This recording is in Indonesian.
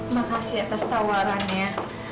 makasih atas tawarannya